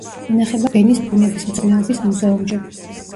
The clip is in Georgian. ინახება ვენის ბუნებისმცოდნეობის მუზეუმში.